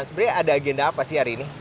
sebenarnya ada agenda apa sih hari ini